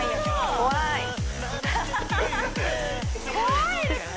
怖いですね